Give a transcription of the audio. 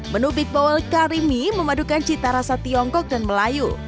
menu big bowl karimi memadukan cita rasa tiongkok dan melayu